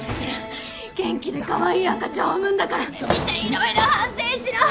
元気でカワイイ赤ちゃんを産むんだから見て色々反省しろ！